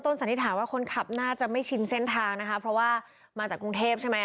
สันนิษฐานว่าคนขับน่าจะไม่ชินเส้นทางนะคะเพราะว่ามาจากกรุงเทพใช่ไหม